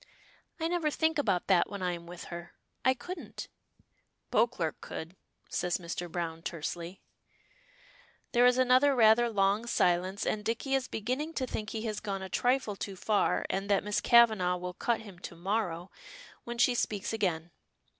"I never think about that when I am with her. I couldn't." "Beauclerk could," says Mr. Browne, tersely. There is another rather long silence, and Dicky is beginning to think he has gone a trifle too far, and that Miss Kavanagh will cut him to morrow, when she speaks again.